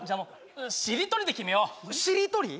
しりとりで決めようしりとり？